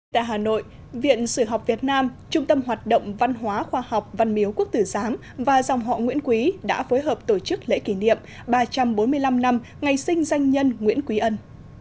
tại hà nội viện sử học việt nam trung tâm hoạt động văn hóa khoa học văn miếu quốc tử giám và dòng họ nguyễn quý đã phối hợp tổ chức lễ kỷ niệm ba trăm bốn mươi năm năm ngày sinh doanh nhân nguyễn quý ân